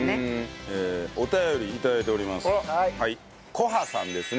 こはさんですね。